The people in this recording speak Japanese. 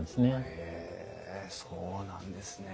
へえそうなんですね。